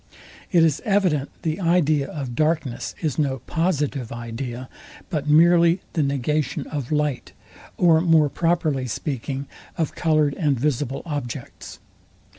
It is evident the idea of darkness is no positive idea, but merely the negation of light, or more properly speaking, of coloured and visible objects.